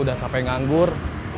sudah capek nganggur